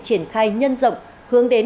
triển khai nhân rộng hướng đến